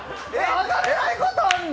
上がれないことあんの？